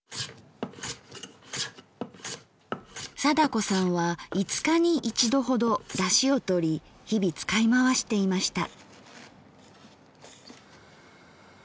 貞子さんは５日に１度ほどだしをとり日々使い回していました。